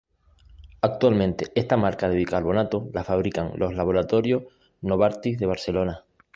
Actualmente esta marca de bicarbonato la fabrican los laboratorios Novartis de Barcelona.